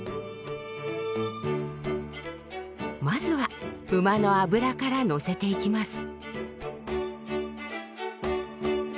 まずは馬の脂からのせていきます。